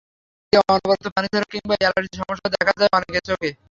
চোখ দিয়ে অনবরত পানি ঝরা কিংবা অ্যালার্জির সমস্যাও দেখা যায় অনেকের চোখে।